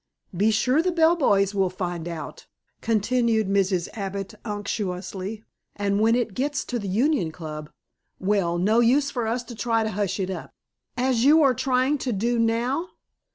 "Be sure the bell boys will find it out," continued Mrs. Abbott unctuously. "And when it gets to the Union Club well, no use for us to try to hush it up." "As you are trying to do now!"